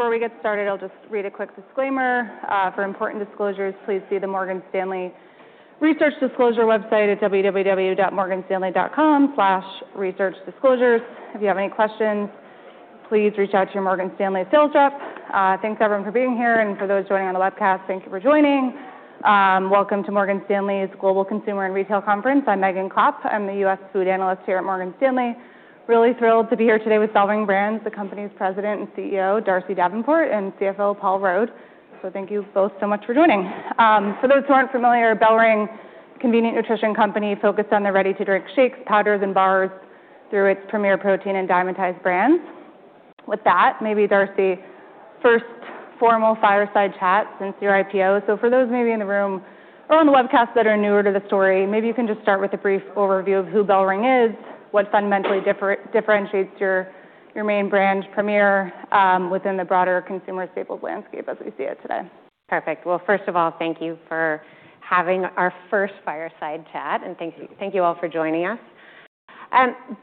Before we get started, I'll just read a quick disclaimer. For important disclosures, please see the Morgan Stanley Research Disclosure website at www.morganstanley.com/researchdisclosures. If you have any questions, please reach out to your Morgan Stanley sales rep. Thanks everyone for being here, and for those joining on the webcast, thank you for joining. Welcome to Morgan Stanley's Global Consumer and Retail Conference. I'm Megan Klopp. I'm the US food analyst here at Morgan Stanley. Really thrilled to be here today with BellRing Brands, the company's President and CEO, Darcy Davenport, and CFO, Paul Rode. So thank you both so much for joining. For those who aren't familiar, BellRing, a convenient nutrition company, focused on their ready-to-drink shakes, powders, and bars through its Premier Protein and Dymatize brands. With that, maybe, Darcy, first formal fireside chat since your IPO. So, for those maybe in the room or on the webcast that are newer to the story, maybe you can just start with a brief overview of who BellRing is, what fundamentally differentiates your, your main brand Premier, within the broader consumer staples landscape as we see it today. Perfect. Well, first of all, thank you for having our first fireside chat, and thank you, thank you all for joining us.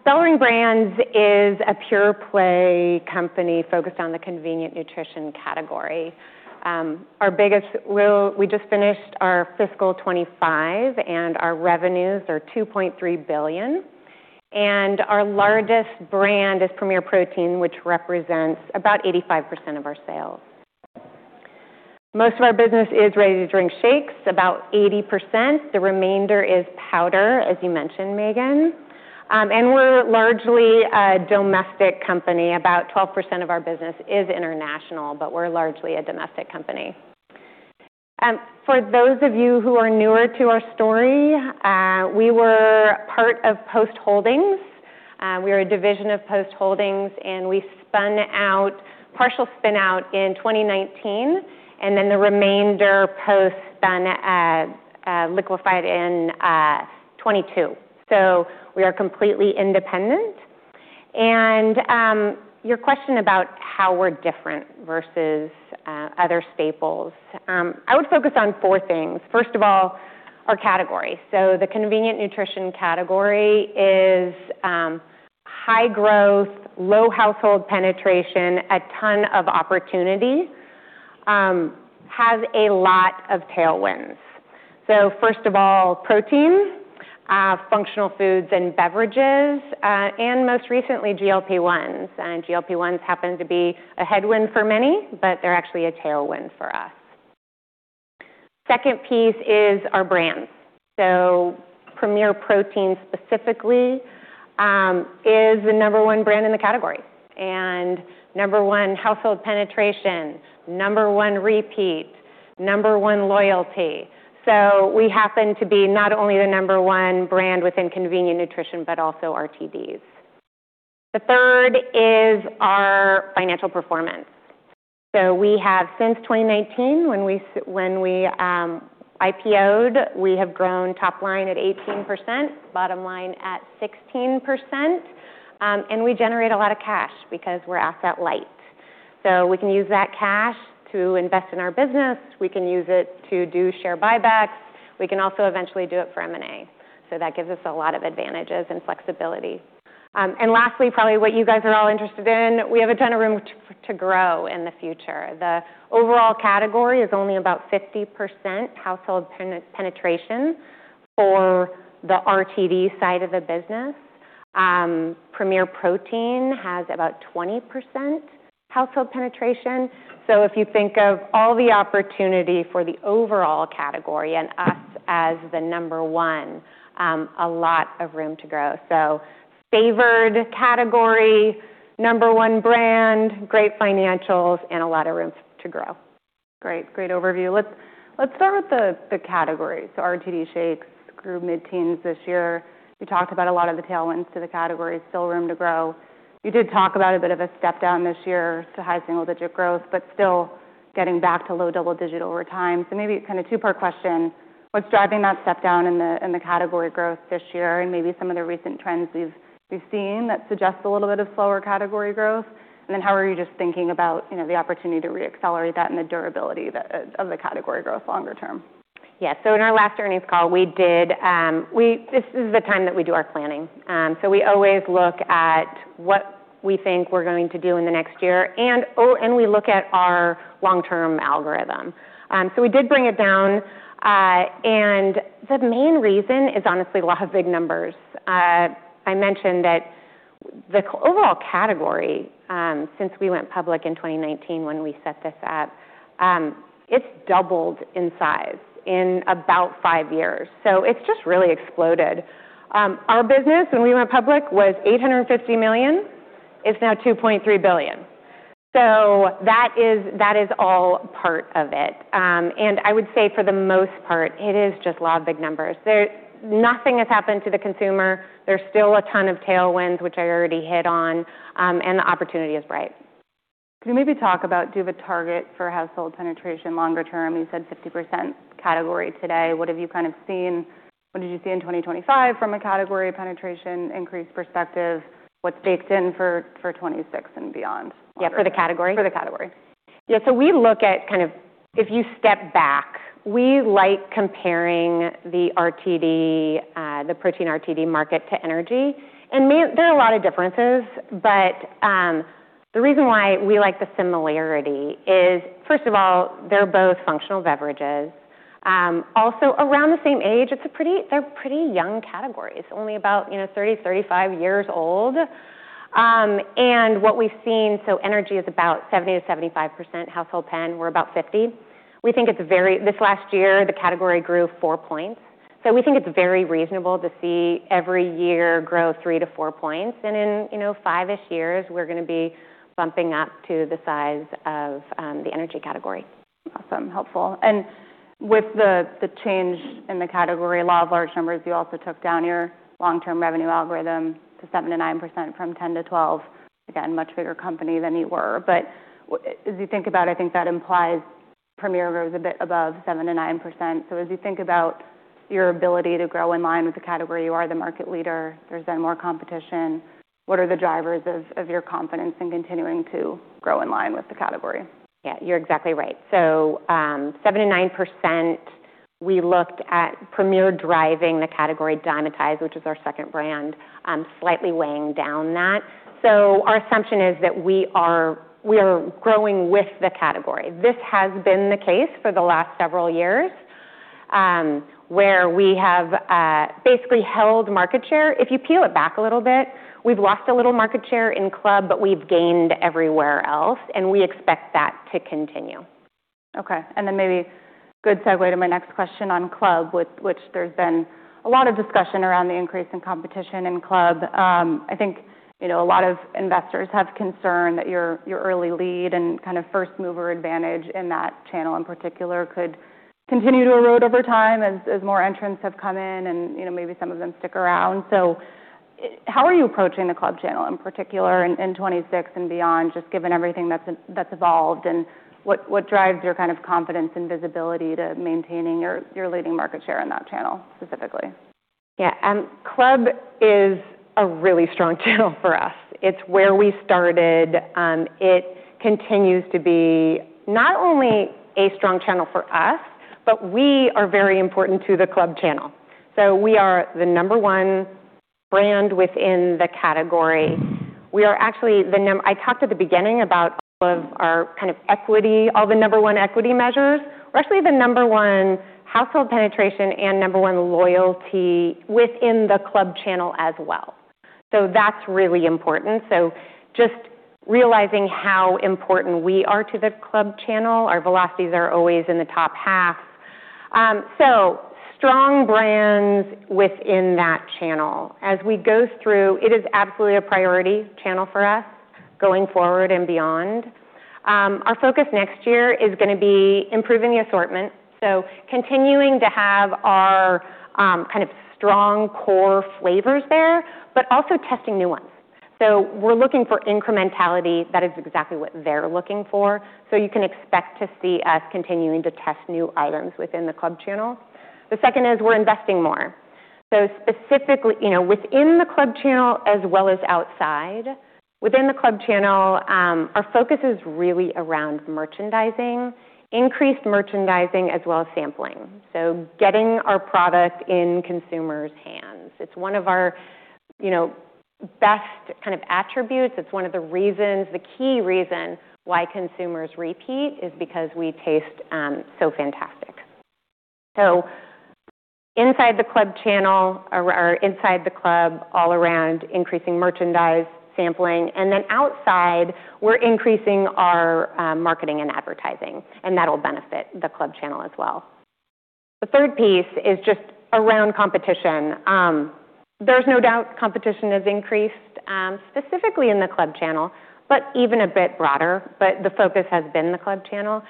BellRing Brands is a pure-play company focused on the convenient nutrition category. Our biggest, well, we just finished our fiscal 2025, and our revenues are $2.3 billion. Our largest brand is Premier Protein, which represents about 85% of our sales. Most of our business is ready-to-drink shakes, about 80%. The remainder is powder, as you mentioned, Megan, and we're largely a domestic company. About 12% of our business is international, but we're largely a domestic company. For those of you who are newer to our story, we were part of Post Holdings. We are a division of Post Holdings, and we spun out, partial spin-out, in 2019, and then the remainder Post then liquidated in 2022. So we are completely independent. And your question about how we're different versus other staples, I would focus on four things. First of all, our category. So the convenient nutrition category is high growth, low household penetration, a ton of opportunity, has a lot of tailwinds. So first of all, protein, functional foods and beverages, and most recently, GLP-1s. And GLP-1s happen to be a headwind for many, but they're actually a tailwind for us. Second piece is our brands. So Premier Protein specifically is the number one brand in the category and number one household penetration, number one repeat, number one loyalty. So we happen to be not only the number one brand within convenient nutrition, but also RTDs. The third is our financial performance. So we have, since 2019, when we IPOed, we have grown top line at 18%, bottom line at 16%. And we generate a lot of cash because we're asset light. So we can use that cash to invest in our business. We can use it to do share buybacks. We can also eventually do it for M&A. So that gives us a lot of advantages and flexibility. And lastly, probably what you guys are all interested in, we have a ton of room to grow in the future. The overall category is only about 50% household penetration for the RTD side of the business. Premier Protein has about 20% household penetration. So if you think of all the opportunity for the overall category and us as the number one, a lot of room to grow. So favored category, number one brand, great financials, and a lot of room to grow. Great, great overview. Let's start with the categories. So RTD shakes grew mid-teens this year. You talked about a lot of the tailwinds to the category, still room to grow. You did talk about a bit of a step down this year to high single-digit growth, but still getting back to low double digit over time. So maybe kind of two-part question: what's driving that step down in the category growth this year? And maybe some of the recent trends we've seen that suggest a little bit of slower category growth. And then how are you just thinking about, you know, the opportunity to re-accelerate that and the durability of the category growth longer term? Yeah. So in our last earnings call, we did, we—this is the time that we do our planning. So we always look at what we think we're going to do in the next year, and, oh, and we look at our long-term algorithm. So we did bring it down. And the main reason is honestly a lot of big numbers. I mentioned that the overall category, since we went public in 2019 when we set this up, it's doubled in size in about five years. So it's just really exploded. Our business when we went public was $850 million. It's now $2.3 billion. So that is, that is all part of it. And I would say for the most part, it is just a lot of big numbers. There, nothing has happened to the consumer. There's still a ton of tailwinds, which I already hit on. And the opportunity is right. Can you maybe talk about, do you have a target for household penetration longer term? You said 50% category today. What have you kind of seen? What did you see in 2025 from a category penetration increase perspective? What's baked in for 2026 and beyond? Yeah, for the category? For the category. Yeah. So we look at kind of, if you step back, we like comparing the RTD, the protein RTD market to energy. And there are a lot of differences, but the reason why we like the similarity is, first of all, they're both functional beverages. Also around the same age, they're pretty young categories, only about, you know, 30-35 years old. And what we've seen—so energy is about 70%-75% household pen. We're about 50%. We think it's very—this last year, the category grew four points. So we think it's very reasonable to see every year grow three to four points. And in, you know, five-ish years, we're going to be bumping up to the size of the energy category. Awesome. Helpful. And with the change in the category, a lot of large numbers, you also took down your long-term revenue algorithm to 7%-9% from 10%-12%. Again, much bigger company than you were. But as you think about it, I think that implies Premier grows a bit above 7%-9%. So as you think about your ability to grow in line with the category, you are the market leader. There's been more competition. What are the drivers of your confidence in continuing to grow in line with the category? Yeah, you're exactly right. So, 7%-9%, we looked at Premier driving the category Dymatize, which is our second brand, slightly weighing down that. So our assumption is that we are growing with the category. This has been the case for the last several years, where we have, basically held market share. If you peel it back a little bit, we've lost a little market share in club, but we've gained everywhere else, and we expect that to continue. Okay. And then maybe good segue to my next question on club, which there's been a lot of discussion around the increase in competition in club. I think, you know, a lot of investors have concern that your early lead and kind of first mover advantage in that channel in particular could continue to erode over time as more entrants have come in and, you know, maybe some of them stick around. So how are you approaching the club channel in particular in 2026 and beyond, just given everything that's evolved and what drives your kind of confidence and visibility to maintaining your leading market share in that channel specifically? Yeah. Club is a really strong channel for us. It's where we started. It continues to be not only a strong channel for us, but we are very important to the club channel. So we are the number one brand within the category. We are actually the number. I talked at the beginning about all of our kind of equity, all the number one equity measures. We're actually the number one household penetration and number one loyalty within the club channel as well. So that's really important. So just realizing how important we are to the club channel. Our velocities are always in the top half. So strong brands within that channel. As we go through, it is absolutely a priority channel for us going forward and beyond. Our focus next year is going to be improving the assortment. So continuing to have our kind of strong core flavors there, but also testing new ones. So we're looking for incrementality. That is exactly what they're looking for. So you can expect to see us continuing to test new items within the club channel. The second is we're investing more. So specifically, you know, within the club channel as well as outside. Within the club channel, our focus is really around merchandising, increased merchandising as well as sampling. So getting our product in consumers' hands. It's one of our, you know, best kind of attributes. It's one of the reasons, the key reason why consumers repeat is because we taste so fantastic. So inside the club channel, or inside the club, all around increasing merchandise, sampling. And then outside, we're increasing our marketing and advertising, and that'll benefit the club channel as well. The third piece is just around competition. There's no doubt competition has increased, specifically in the club channel, but even a bit broader, but the focus has been the club channel.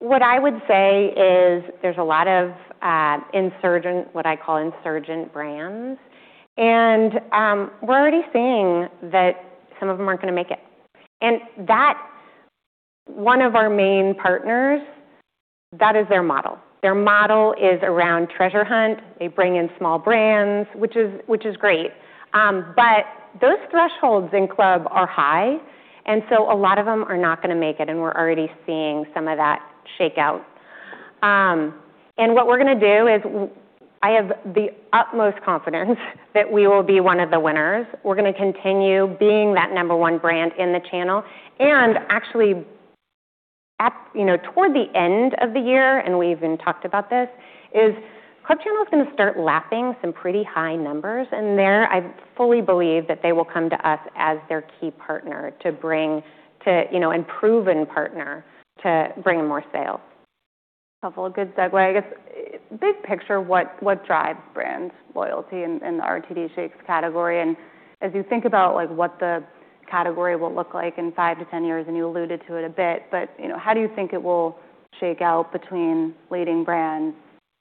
What I would say is there's a lot of insurgent, what I call insurgent brands. And we're already seeing that some of them aren't going to make it. And that one of our main partners, that is their model. Their model is around treasure hunt. They bring in small brands, which is, which is great. But those thresholds in club are high, and so a lot of them are not going to make it, and we're already seeing some of that shake out. And what we're going to do is I have the utmost confidence that we will be one of the winners. We're going to continue being that number one brand in the channel. Actually, you know, toward the end of the year, and we even talked about this, club channel is going to start lapping some pretty high numbers. There I fully believe that they will come to us as their key partner to bring, you know, a proven partner to bring more sales. Helpful. Good segue. I guess big picture, what drives brand loyalty in the RTD shakes category? And as you think about, like, what the category will look like in five to ten years, and you alluded to it a bit, but, you know, how do you think it will shake out between leading brands,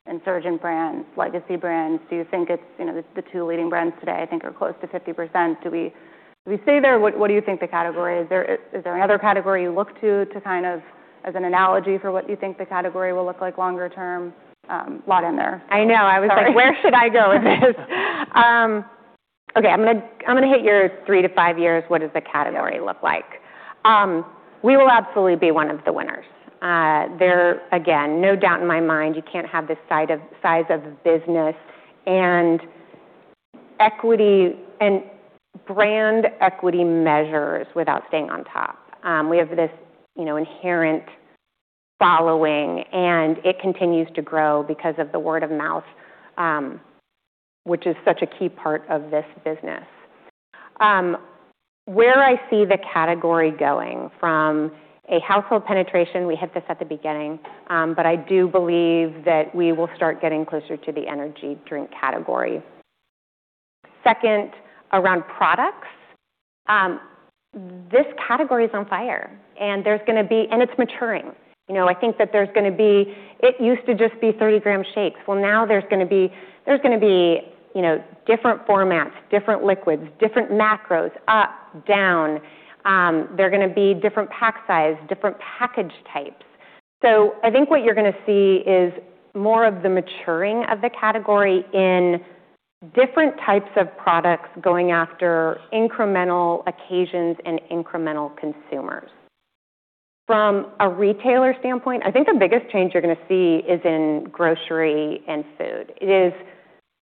insurgent brands, legacy brands? Do you think it's, you know, the two leading brands today, I think, are close to 50%? Do we stay there? What do you think the category is? Is there another category you look to, to kind of as an analogy for what you think the category will look like longer term? A lot in there. I know. I was like, where should I go with this? Okay. I'm going to, I'm going to hit your three to five years. What does the category look like? We will absolutely be one of the winners. There, again, no doubt in my mind, you can't have the size of business and equity and brand equity measures without staying on top. We have this, you know, inherent following, and it continues to grow because of the word of mouth, which is such a key part of this business. Where I see the category going from a household penetration, we hit this at the beginning, but I do believe that we will start getting closer to the energy drink category. Second, around products, this category is on fire, and there's going to be, and it's maturing. You know, I think that there's going to be. It used to just be 30-gram shakes. Well, now there's going to be, there's going to be, you know, different formats, different liquids, different macros, up, down. There are going to be different pack sizes, different package types. So I think what you're going to see is more of the maturing of the category in different types of products going after incremental occasions and incremental consumers. From a retailer standpoint, I think the biggest change you're going to see is in grocery and food. It is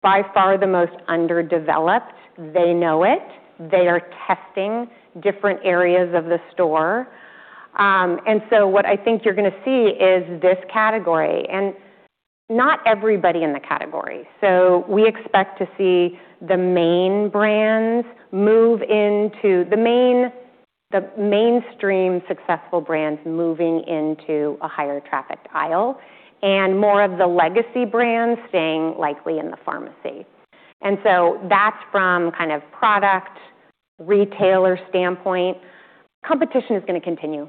by far the most underdeveloped. They know it. They are testing different areas of the store, and so what I think you're going to see is this category and not everybody in the category. So we expect to see the main brands move into the main, the mainstream successful brands moving into a higher traffic aisle and more of the legacy brands staying likely in the pharmacy. And so that's from kind of product retailer standpoint. Competition is going to continue.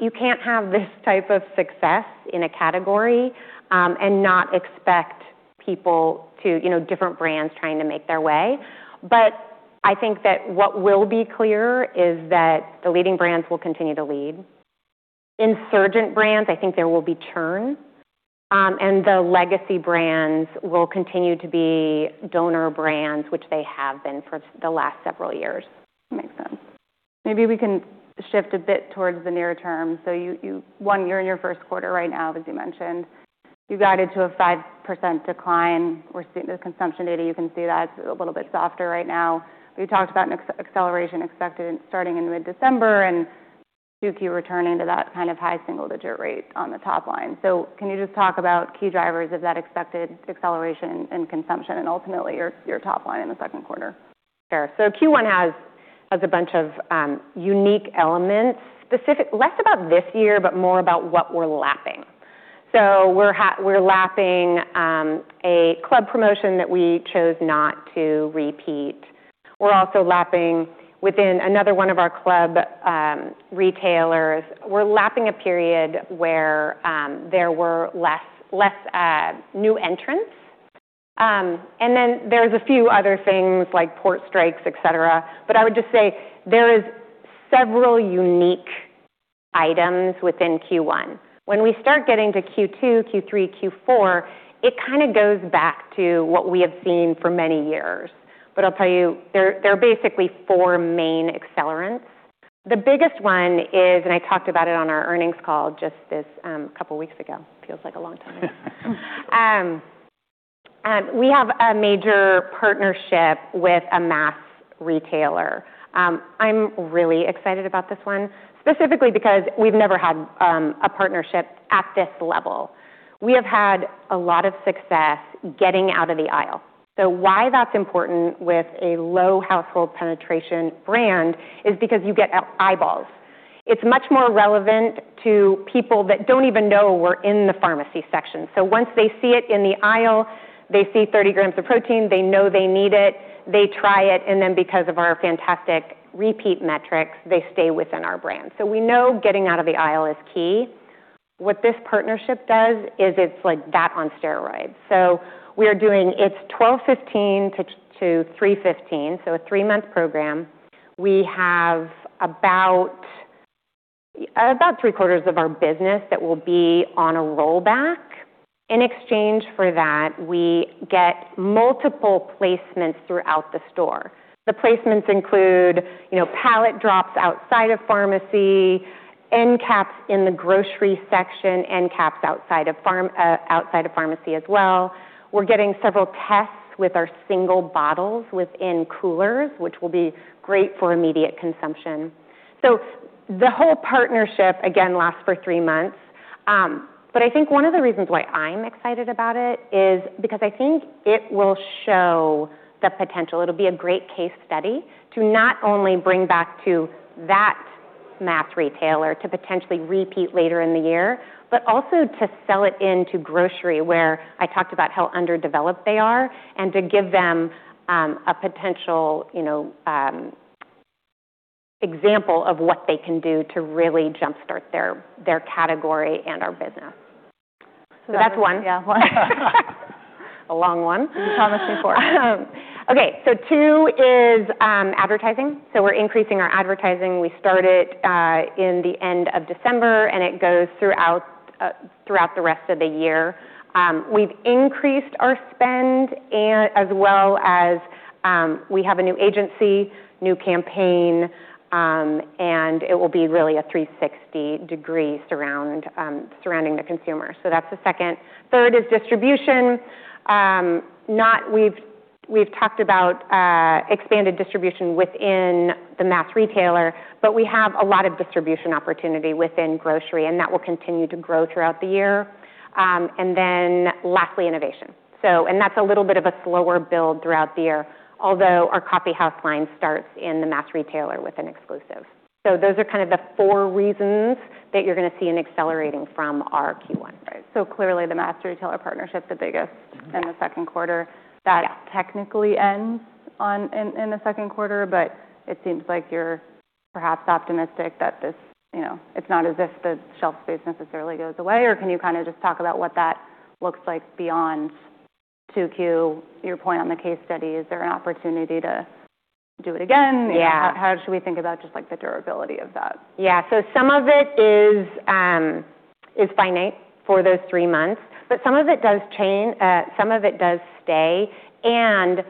You can't have this type of success in a category, and not expect people to, you know, different brands trying to make their way. But I think that what will be clear is that the leading brands will continue to lead. Insurgent brands, I think there will be turn. And the legacy brands will continue to be donor brands, which they have been for the last several years. Makes sense. Maybe we can shift a bit towards the near term. So you're in your first quarter right now, as you mentioned. You guided to a 5% decline. We're seeing the consumption data. You can see that's a little bit softer right now. We talked about an acceleration expected starting in mid-December and Q2 returning to that kind of high single-digit rate on the top line. So can you just talk about key drivers of that expected acceleration in consumption and ultimately your top line in the second quarter? Sure. So Q1 has a bunch of unique elements. Specific, less about this year, but more about what we're lapping. So we're lapping a club promotion that we chose not to repeat. We're also lapping within another one of our club retailers. We're lapping a period where there were less new entrants. And then there's a few other things like port strikes, et cetera. But I would just say there are several unique items within Q1. When we start getting to Q2, Q3, Q4, it kind of goes back to what we have seen for many years. But I'll tell you, there are basically four main accelerants. The biggest one is, and I talked about it on our earnings call just this couple of weeks ago. Feels like a long time. We have a major partnership with a mass retailer. I'm really excited about this one, specifically because we've never had a partnership at this level. We have had a lot of success getting out of the aisle. Why that's important with a low household penetration brand is because you get eyeballs. It's much more relevant to people that don't even know we're in the pharmacy section. Once they see it in the aisle, they see 30 grams of protein, they know they need it, they try it, and then because of our fantastic repeat metrics, they stay within our brand. We know getting out of the aisle is key. What this partnership does is it's like that on steroids. We are doing it; it's 12/15 to 3/15, so a three-month program. We have about three quarters of our business that will be on a rollback. In exchange for that, we get multiple placements throughout the store. The placements include, you know, pallet drops outside of pharmacy, end caps in the grocery section, end caps outside of pharmacy as well. We're getting several tests with our single bottles within coolers, which will be great for immediate consumption. So the whole partnership, again, lasts for three months. But I think one of the reasons why I'm excited about it is because I think it will show the potential. It'll be a great case study to not only bring back to that mass retailer to potentially repeat later in the year, but also to sell it into grocery where I talked about how underdeveloped they are and to give them a potential, you know, example of what they can do to really jumpstart their category and our business. So that's one. Yeah. A long one. You promised me four. Okay. So two is advertising. So we're increasing our advertising. We started in the end of December, and it goes throughout the rest of the year. We've increased our spend as well as we have a new agency, new campaign, and it will be really a 360-degree surround surrounding the consumer. So that's the second. Third is distribution. Now we've talked about expanded distribution within the mass retailer, but we have a lot of distribution opportunity within grocery, and that will continue to grow throughout the year and then lastly, innovation. And that's a little bit of a slower build throughout the year, although our Coffee House line starts in the mass retailer with an exclusive. So those are kind of the four reasons that you're going to see an accelerating from our Q1. Right. So clearly the mass retailer partnership, the biggest in the second quarter, that technically ends on in the second quarter, but it seems like you're perhaps optimistic that this, you know, it's not as if the shelf space necessarily goes away, or can you kind of just talk about what that looks like beyond Q2? Your point on the case study, is there an opportunity to do it again? Yeah. How should we think about just like the durability of that? Yeah, so some of it is finite for those three months, but some of it does change, some of it does stay, and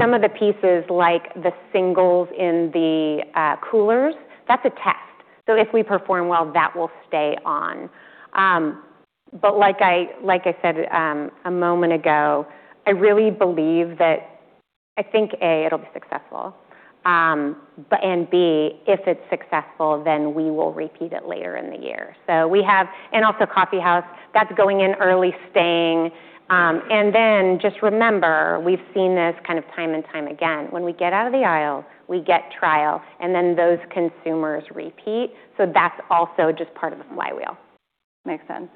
some of the pieces like the singles in the coolers, that's a test. So if we perform well, that will stay on, but like I said a moment ago, I really believe that I think A, it'll be successful, but and B, if it's successful, then we will repeat it later in the year, so we have, and also Coffee House that's going in early, staying, and then just remember, we've seen this kind of time and time again. When we get out of the aisle, we get trial, and then those consumers repeat. So that's also just part of the flywheel. Makes sense.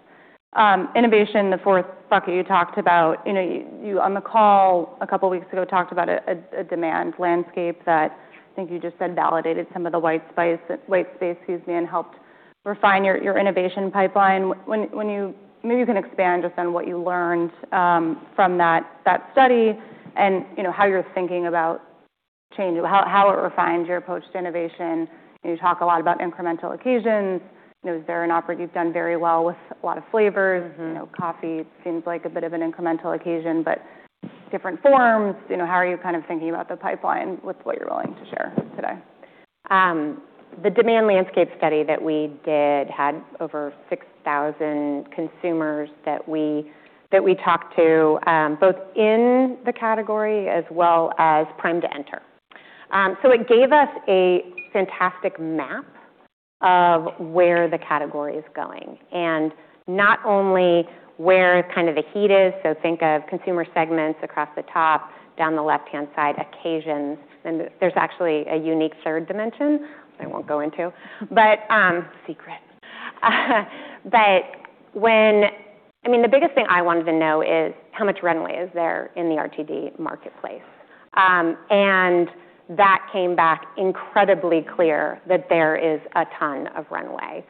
Innovation, the fourth bucket you talked about, you know, you on the call a couple of weeks ago talked about a demand landscape that I think you just said validated some of the white space, white space, excuse me, and helped refine your innovation pipeline. When you maybe you can expand just on what you learned from that study and, you know, how you're thinking about change, how it refines your approach to innovation. You talk a lot about incremental occasions. You know, is there an opportunity you've done very well with a lot of flavors? You know, coffee seems like a bit of an incremental occasion, but different forms, you know, how are you kind of thinking about the pipeline with what you're willing to share today? The demand landscape study that we did had over 6,000 consumers that we talked to, both in the category as well as primed to enter, so it gave us a fantastic map of where the category is going and not only where kind of the heat is. Think of consumer segments across the top, down the left-hand side, occasions, and there's actually a unique third dimension, which I won't go into, but secret. I mean, the biggest thing I wanted to know is how much runway is there in the RTD marketplace, and that came back incredibly clear that there is a ton of runway.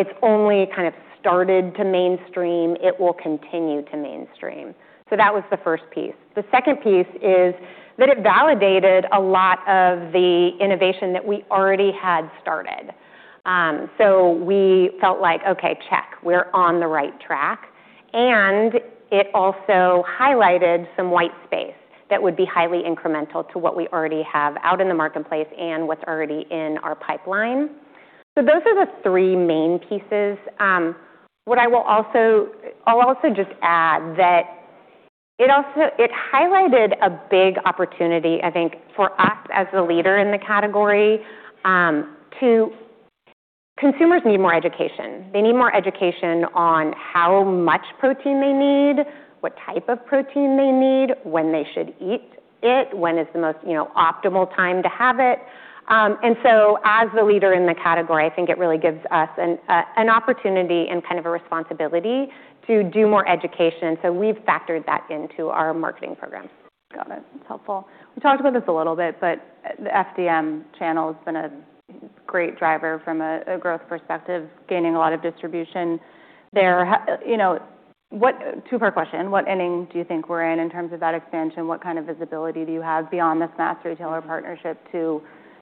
It’s only kind of started to mainstream. It will continue to mainstream. That was the first piece. The second piece is that it validated a lot of the innovation that we already had started. So we felt like, okay, check, we're on the right track. And it also highlighted some white space that would be highly incremental to what we already have out in the marketplace and what's already in our pipeline. So those are the three main pieces. I'll also just add that it highlighted a big opportunity, I think, for us as the leader in the category, to consumers need more education. They need more education on how much protein they need, what type of protein they need, when they should eat it, when is the most, you know, optimal time to have it. And so as the leader in the category, I think it really gives us an opportunity and kind of a responsibility to do more education. So we've factored that into our marketing program. Got it. That's helpful. We talked about this a little bit, but the FDM channel has been a great driver from a growth perspective, gaining a lot of distribution there. You know, to her question, what inning do you think we're in in terms of that expansion? What kind of visibility do you have beyond this mass retailer partnership to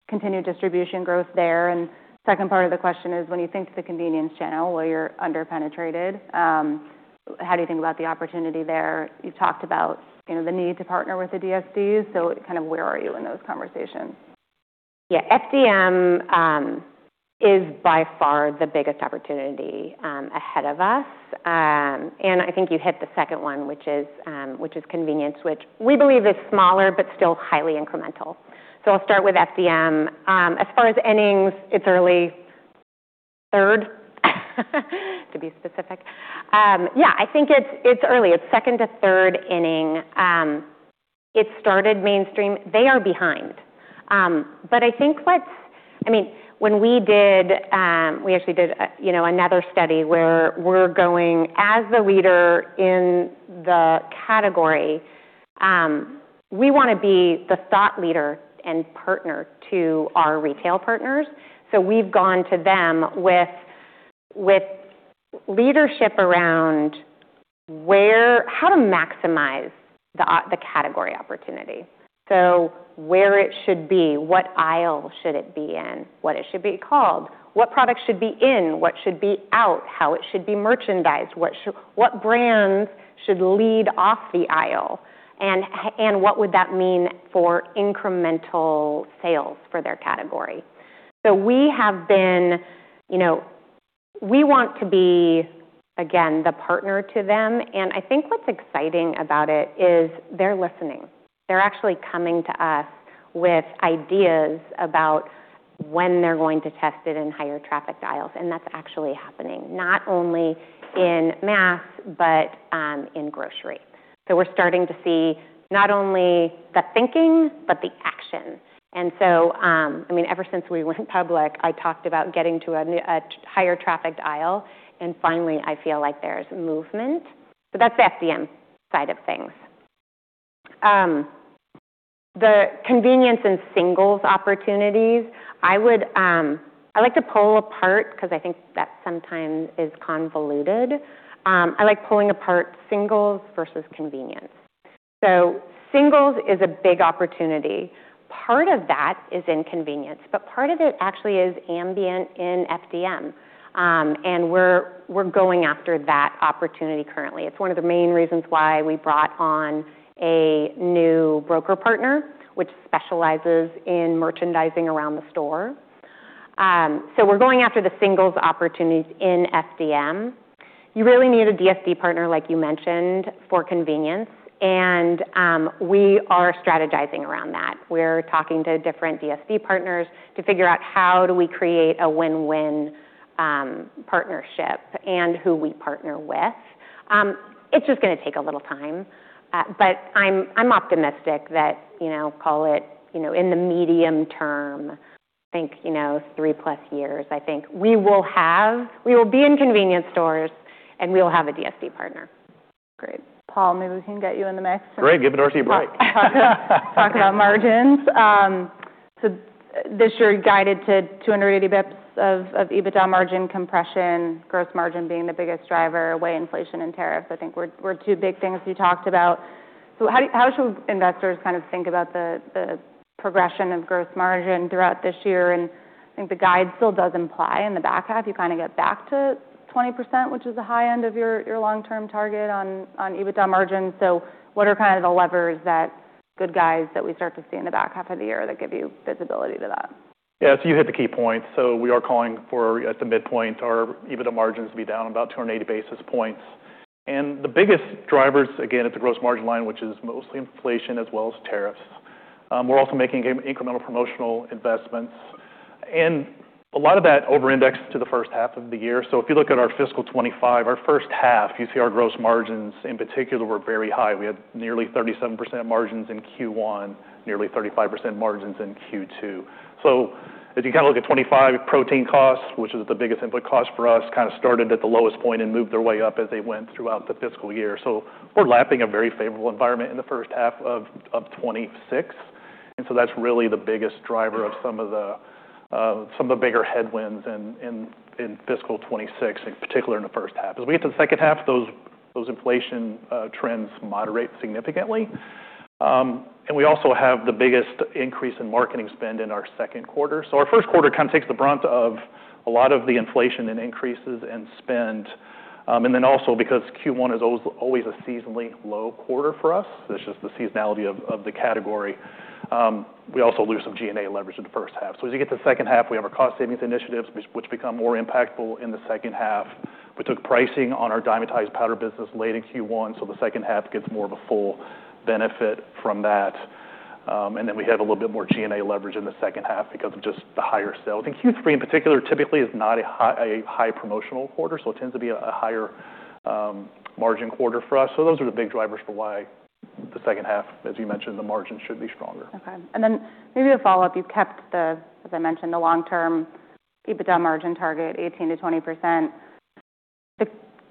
continue distribution growth there? And second part of the question is when you think of the convenience channel, well, you're under-penetrated. How do you think about the opportunity there? You've talked about, you know, the need to partner with the DSDs. So kind of where are you in those conversations? Yeah. FDM is by far the biggest opportunity ahead of us. And I think you hit the second one, which is convenience, which we believe is smaller, but still highly incremental. So I'll start with FDM. As far as innings, it's early third, to be specific. Yeah, I think it's early. It's second to third inning. It started mainstream. They are behind. But I think what's, I mean, when we actually did, you know, another study where we're going as the leader in the category, we want to be the thought leader and partner to our retail partners. So we've gone to them with leadership around where, how to maximize the category opportunity. So where it should be, what aisle should it be in, what it should be called, what products should be in, what should be out, how it should be merchandised, what should, what brands should lead off the aisle, and what would that mean for incremental sales for their category. So we have been, you know, we want to be, again, the partner to them. And I think what's exciting about it is they're listening. They're actually coming to us with ideas about when they're going to test it in higher traffic aisles. And that's actually happening not only in mass, but in grocery. So we're starting to see not only the thinking, but the action. And so, I mean, ever since we went public, I talked about getting to a higher trafficked aisle. And finally, I feel like there's movement, but that's the FDM side of things. The convenience and singles opportunities, I would like to pull apart because I think that sometimes is convoluted. I like pulling apart singles versus convenience. So singles is a big opportunity. Part of that is in convenience, but part of it actually is ambient in FDM, and we're going after that opportunity currently. It's one of the main reasons why we brought on a new broker partner, which specializes in merchandising around the store, so we're going after the singles opportunities in FDM. You really need a DSD partner, like you mentioned, for convenience. And we are strategizing around that. We're talking to different DSD partners to figure out how do we create a win-win partnership and who we partner with. It's just going to take a little time. but I'm optimistic that, you know, call it, you know, in the medium term, I think, you know, three plus years, I think we will be in convenience stores and we'll have a DSD partner. Great. Paul, maybe we can get you in the mix. Great. Give Darcy a break. Talk about margins. So this year guided to 280 basis points of EBITDA margin compression, gross margin being the biggest driver, whey inflation and tariffs. I think those are the two big things you talked about. So how should investors kind of think about the progression of gross margin throughout this year? And I think the guide still does imply in the back half, you kind of get back to 20%, which is the high end of your long-term target on EBITDA margin. So what are kind of the levers that we start to see in the back half of the year that give you visibility to that? Yeah. So you hit the key points. So we are calling for at the midpoint, our EBITDA margins to be down about 280 basis points. And the biggest drivers, again, at the gross margin line, which is mostly inflation as well as tariffs. We're also making incremental promotional investments and a lot of that over-indexed to the first half of the year. So if you look at our fiscal 2025, our first half, you see our gross margins in particular were very high. We had nearly 37% margins in Q1, nearly 35% margins in Q2. So as you kind of look at 2025 protein costs, which is the biggest input cost for us, kind of started at the lowest point and moved their way up as they went throughout the fiscal year. So we're lapping a very favorable environment in the first half of 2026. And so that's really the biggest driver of some of the bigger headwinds in fiscal 26, in particular in the first half. As we get to the second half, those inflation trends moderate significantly, and we also have the biggest increase in marketing spend in our second quarter. So our first quarter kind of takes the brunt of a lot of the inflation and increases and spend, and then also because Q1 is always a seasonally low quarter for us, it's just the seasonality of the category. We also lose some G&A leverage in the first half. So as you get to the second half, we have our cost savings initiatives, which become more impactful in the second half. We took pricing on our Dymatize powder business late in Q1. So the second half gets more of a full benefit from that. And then we have a little bit more G&A leverage in the second half because of just the higher sales. And Q3 in particular typically is not a high promotional quarter. So it tends to be a higher margin quarter for us. So those are the big drivers for why the second half, as you mentioned, the margin should be stronger. Okay. And then maybe a follow-up. You've kept the, as I mentioned, the long-term EBITDA margin target, 18%-20%.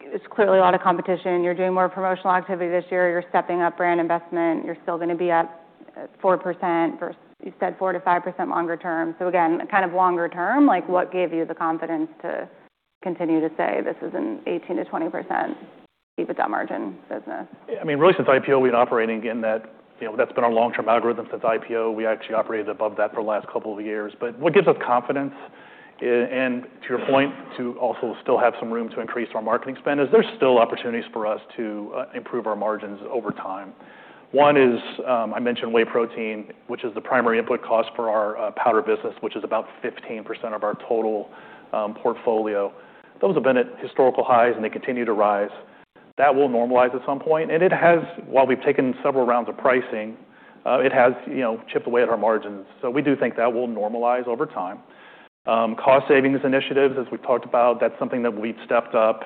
It's clearly a lot of competition. You're doing more promotional activity this year. You're stepping up brand investment. You're still going to be at 4% versus you said 4%-5% longer term. So again, kind of longer term, like what gave you the confidence to continue to say this is an 18%-20% EBITDA margin business? I mean, really since IPO, we've been operating in that, you know, that's been our long-term algorithm since IPO. We actually operated above that for the last couple of years. But what gives us confidence and to your point, to also still have some room to increase our marketing spend is there's still opportunities for us to improve our margins over time. One is, I mentioned whey protein, which is the primary input cost for our powder business, which is about 15% of our total portfolio. Those have been at historical highs and they continue to rise. That will normalize at some point. And it has, while we've taken several rounds of pricing, it has, you know, chipped away at our margins. So we do think that will normalize over time. Cost savings initiatives, as we've talked about, that's something that we've stepped up.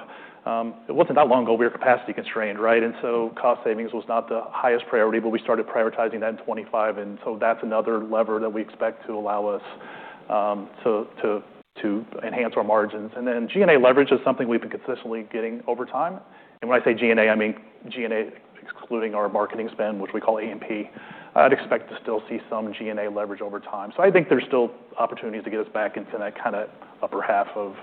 It wasn't that long ago we were capacity constrained, right? And so cost savings was not the highest priority, but we started prioritizing that in 2025. And so that's another lever that we expect to allow us to enhance our margins. And then G&A leverage is something we've been consistently getting over time. And when I say G&A, I mean G&A excluding our marketing spend, which we call A&P. I'd expect to still see some G&A leverage over time. So I think there's still opportunities to get us back into that kind of upper half of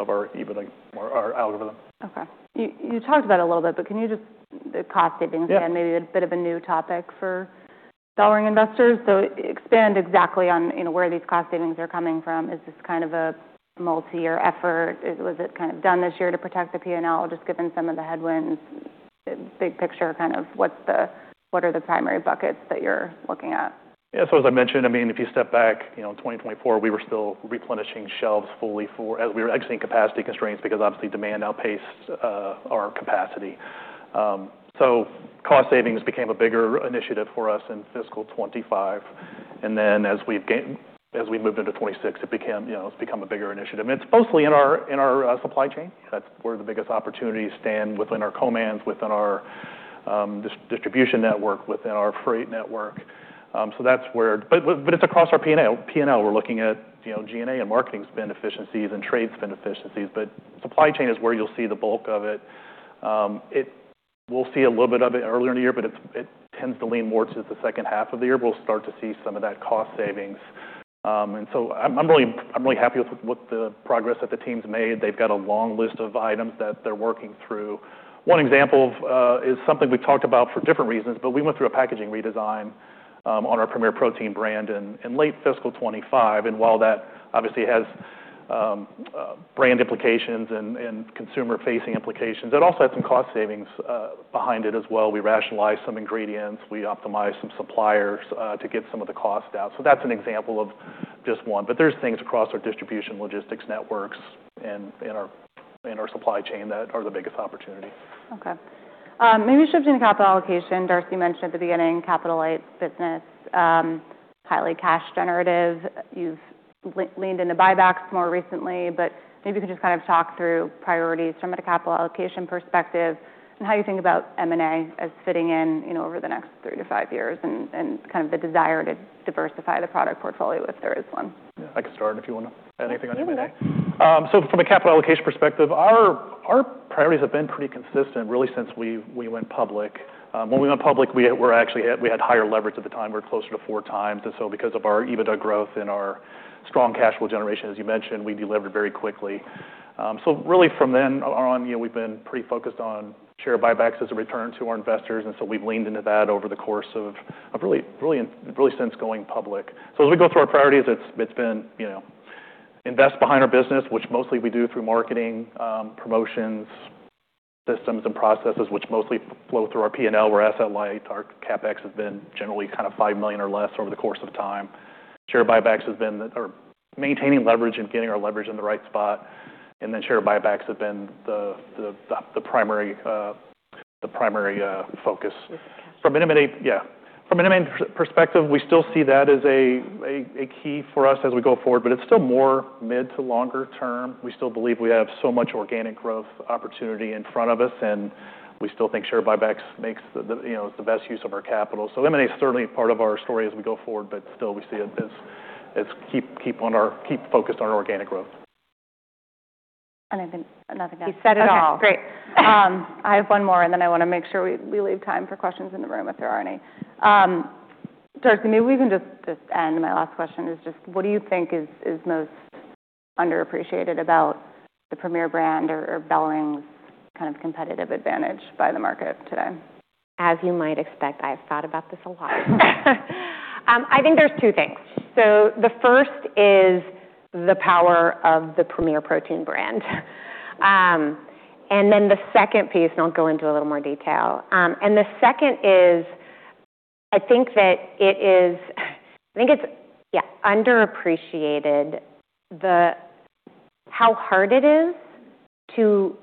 our EBITDA, our algorithm. Okay. You talked about it a little bit, but can you just, the cost savings again, maybe a bit of a new topic for dollaring investors? So expand exactly on, you know, where these cost savings are coming from. Is this kind of a multi-year effort? Was it kind of done this year to protect the P&L or just given some of the headwinds? Big picture, kind of what's the, what are the primary buckets that you're looking at? Yeah. So as I mentioned, I mean, if you step back, you know, in 2024, we were still replenishing shelves fully for, as we were exiting capacity constraints because obviously demand outpaced our capacity. So cost savings became a bigger initiative for us in fiscal 2025. And then as we've gained, as we moved into 2026, it became, you know, it's become a bigger initiative. And it's mostly in our, in our supply chain. That's where the biggest opportunities stand within our co-mans, within our distribution network, within our freight network. So that's where, but it's across our P&L. P&L, we're looking at, you know, G&A and marketing spend efficiencies and trade spend efficiencies, but supply chain is where you'll see the bulk of it. It, we'll see a little bit of it earlier in the year, but it tends to lean more to the second half of the year. We'll start to see some of that cost savings. So I'm really happy with what the progress that the team's made. They've got a long list of items that they're working through. One example is something we've talked about for different reasons, but we went through a packaging redesign on our Premier Protein brand in late fiscal 2025. And while that obviously has brand implications and consumer-facing implications, it also had some cost savings behind it as well. We rationalized some ingredients. We optimized some suppliers to get some of the costs down. So that's an example of just one. But there's things across our distribution logistics networks and in our supply chain that are the biggest opportunity. Okay. Maybe shifting to capital allocation. Darcy mentioned at the beginning, asset-light business, highly cash-generative. You've leaned into buybacks more recently, but maybe you could just kind of talk through priorities from a capital allocation perspective and how you think about M&A as fitting in, you know, over the next three to five years and kind of the desire to diversify the product portfolio if there is one. Yeah. I can start if you want to add anything on M&A. So from a capital allocation perspective, our priorities have been pretty consistent really since we went public. When we went public, we actually had higher leverage at the time. We're closer to four times. And so because of our EBITDA growth and our strong cash flow generation, as you mentioned, we delivered very quickly. So really from then on, you know, we've been pretty focused on share buybacks as a return to our investors. And so we've leaned into that over the course of really since going public. So as we go through our priorities, it's been, you know, invest behind our business, which mostly we do through marketing, promotions, systems, and processes, which mostly flow through our P&L, where asset light, our CapEx has been generally kind of $5 million or less over the course of time. Share buybacks has been our maintaining leverage and getting our leverage in the right spot. And then share buybacks have been the primary focus. From an M&A, yeah. From an M&A perspective, we still see that as a key for us as we go forward, but it's still more mid to longer term. We still believe we have so much organic growth opportunity in front of us, and we still think share buybacks makes the, you know, it's the best use of our capital. M&A is certainly part of our story as we go forward, but still we see it as keep focused on our organic growth. I think nothing else. You said it all. Great. I have one more, and then I want to make sure we leave time for questions in the room if there are any. Darcy, maybe we can just end. My last question is just what do you think is most underappreciated about the Premier brand or BellRing's kind of competitive advantage by the market today? As you might expect, I've thought about this a lot. I think there's two things. So the first is the power of the Premier Protein brand, and then the second piece, and I'll go into a little more detail. And the second is I think that it is, I think it's, yeah, underappreciated how hard it is to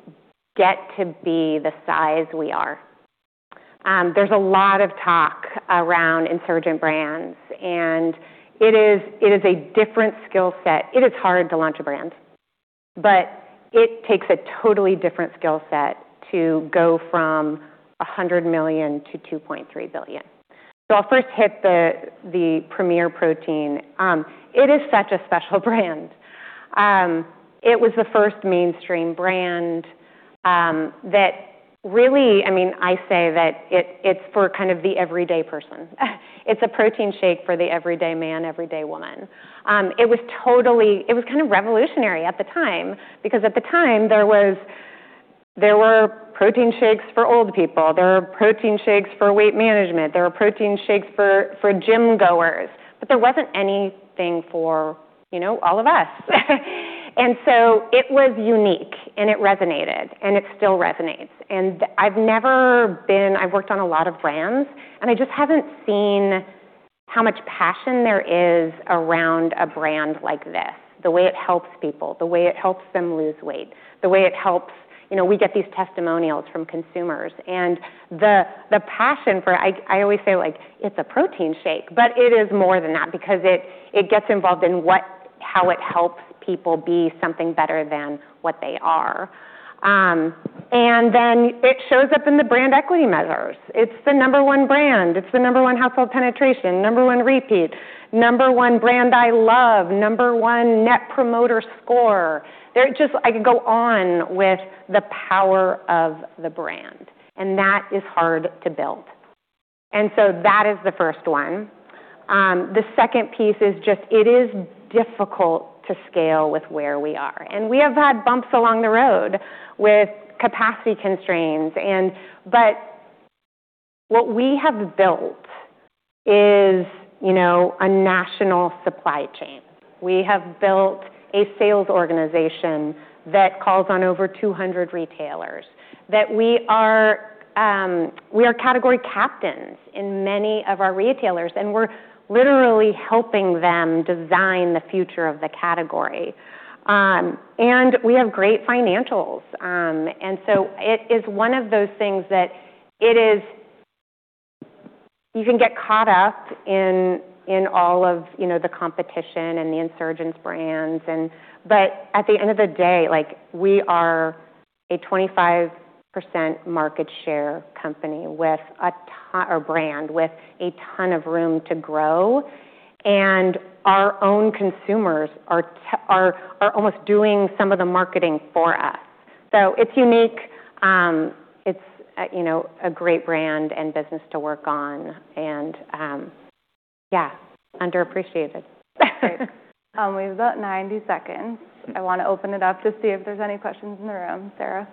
get to be the size we are. There's a lot of talk around insurgent brands, and it is a different skill set. It is hard to launch a brand, but it takes a totally different skill set to go from $100 million to $2.3 billion. So I'll first hit the Premier Protein. It is such a special brand. It was the first mainstream brand that really, I mean, I say that it, it's for kind of the everyday person. It's a protein shake for the everyday man, everyday woman. It was totally kind of revolutionary at the time because at the time there were protein shakes for old people. There were protein shakes for weight management. There were protein shakes for gym goers, but there wasn't anything for, you know, all of us. And so it was unique and it resonated and it still resonates. And I've never been. I've worked on a lot of brands and I just haven't seen how much passion there is around a brand like this, the way it helps people, the way it helps them lose weight, the way it helps, you know, we get these testimonials from consumers and the passion for it. I always say like, it's a protein shake, but it is more than that because it gets involved in what, how it helps people be something better than what they are. And then it shows up in the brand equity measures. It's the number one brand. It's the number one household penetration, number one repeat, number one brand I love, number one net promoter score. There just, I could go on with the power of the brand and that is hard to build. And so that is the first one. The second piece is just it is difficult to scale with where we are. And we have had bumps along the road with capacity constraints and, but what we have built is, you know, a national supply chain. We have built a sales organization that calls on over 200 retailers that we are category captains in many of our retailers and we're literally helping them design the future of the category. And we have great financials. And so it is one of those things that it is, you can get caught up in all of, you know, the competition and the insurgent brands. And, but at the end of the day, like we are a 25% market share company with a ton of brand with a ton of room to grow. And our own consumers are almost doing some of the marketing for us. So it's unique. It's, you know, a great brand and business to work on, and yeah, underappreciated. Great. We've got 90 seconds. I want to open it up to see if there's any questions in the room. Sarah,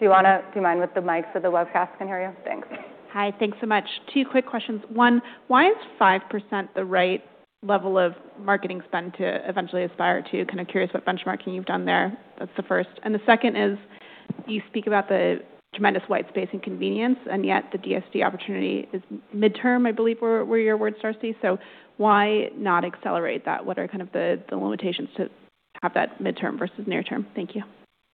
do you want to, do you mind with the mic so the webcast can hear you? Thanks. Hi. Thanks so much. Two quick questions. One, why is 5% the right level of marketing spend to eventually aspire to? Kind of curious what benchmarking you've done there. That's the first. And the second is you speak about the tremendous white space and convenience, and yet the DSD opportunity is midterm, I believe were your words, Darcy. So why not accelerate that? What are kind of the limitations to have that midterm versus near term? Thank you.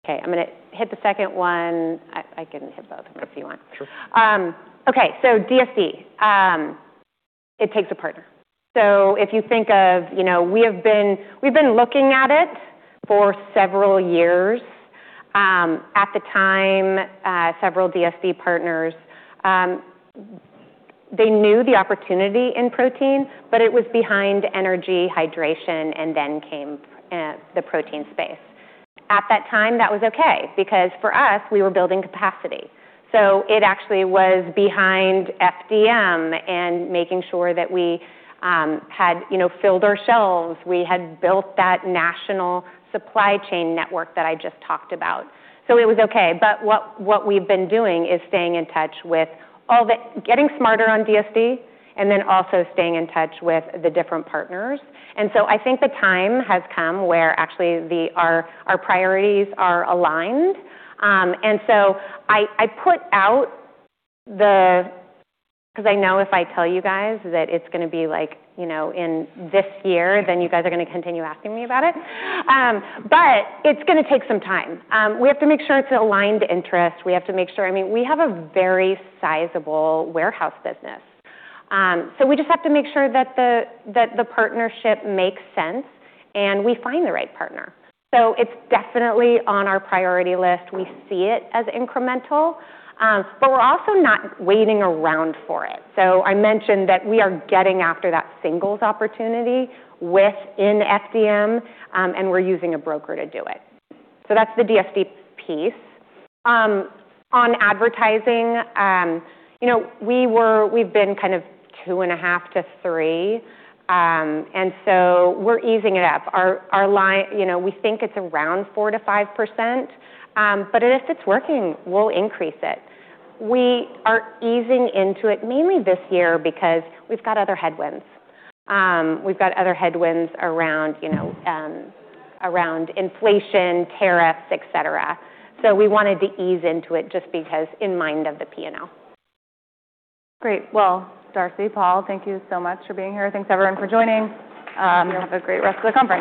Okay. I'm going to hit the second one. I can hit both of them if you want. Sure. Okay. So DSD, it takes a partner. So if you think of, you know, we've been looking at it for several years. At the time, several DSD partners, they knew the opportunity in protein, but it was behind energy, hydration, and then came the protein space. At that time, that was okay because for us, we were building capacity. So it actually was behind FDM and making sure that we had, you know, filled our shelves. We had built that national supply chain network that I just talked about. So it was okay. But what we've been doing is staying in touch with all the, getting smarter on DSD and then also staying in touch with the different partners. And so I think the time has come where actually our priorities are aligned. So I put out the, 'cause I know if I tell you guys that it's going to be like, you know, in this year, then you guys are going to continue asking me about it. But it's going to take some time. We have to make sure it's aligned interest. We have to make sure, I mean, we have a very sizable warehouse business. So we just have to make sure that the partnership makes sense and we find the right partner. So it's definitely on our priority list. We see it as incremental, but we're also not waiting around for it. So I mentioned that we are getting after that singles opportunity within FDM, and we're using a broker to do it. So that's the DSD piece. On advertising, you know, we've been kind of two and a half to three. And so we're easing it up. Our line, you know, we think it's around 4%-5%, but if it's working, we'll increase it. We are easing into it mainly this year because we've got other headwinds around, you know, around inflation, tariffs, et cetera. So we wanted to ease into it just because in mind of the P&L. Great. Well, Darcy, Paul, thank you so much for being here. Thanks everyone for joining. Have a great rest of the conference.